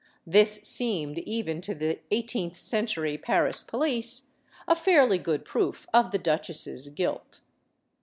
This seemed, even to the eighteenth century Paris police, a fairly good proof of the duchesse's guilt.